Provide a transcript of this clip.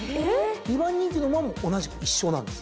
２番人気の馬も同じく１勝なんです。